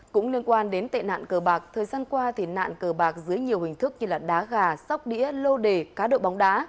cũng liên quan đến tệ nạn cờ bạc thời gian qua nạn cờ bạc dưới nhiều hình thức như đá gà sóc đĩa lô đề cá độ bóng đá